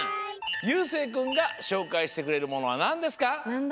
ゆうせいくんがしょうかいしてくれるものはなんですか？